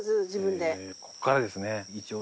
ここからですね一応。